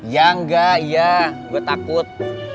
ya engga iya gua takut